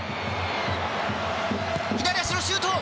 左足のシュート。